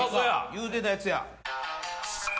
言うてたやつや。